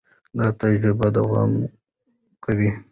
دا تجربه دوام کوي.